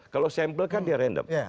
kalau sampel kan dia random